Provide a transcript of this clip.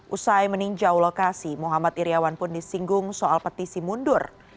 usai meninjau lokasi muhammad iryawan pun disinggung soal petisi mundur